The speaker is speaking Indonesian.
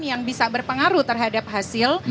yang bisa berpengaruh terhadap hasil